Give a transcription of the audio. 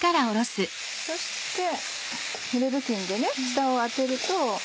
そしてぬれ布巾で下を当てると。